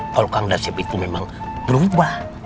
kalo kang dasep itu memang berubah